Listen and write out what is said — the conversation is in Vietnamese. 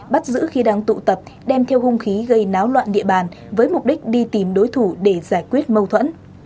bắt giữ khi đang tụ tập đem theo hung khí gây náo loạn địa bàn với mục đích đi tìm đối thủ để giải quyết mâu thuẫn